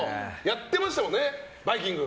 やってましたもんね「バイキング」。